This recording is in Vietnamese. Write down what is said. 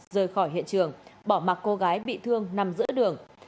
rời khỏi hiện trường bỏ mặc cô gái bị thương nằm giữa đường